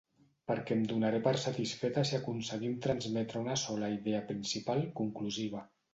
Perquè em donaré per satisfeta si aconseguim transmetre una sola idea principal, conclusiva.